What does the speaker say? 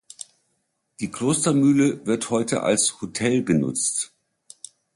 Die Klostermühle wird heute als Hotel genutzt.